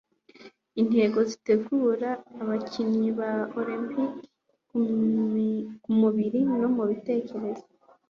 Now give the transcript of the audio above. Intego zitegura abakinnyi ba olempike kumubiri no mubitekerezo.